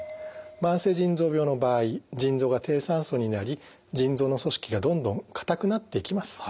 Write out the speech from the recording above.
慢性腎臓病の場合腎臓が低酸素になり腎臓の組織がどんどん硬くなっていきます。